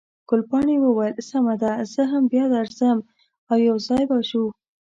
ګلپاڼې وویل، سمه ده، زه هم بیا درځم، او یو ځای به شو.